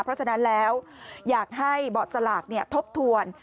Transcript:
เพราะฉะนั้นแล้วอยากให้เบาะสลากทบทวน